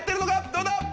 どうだ？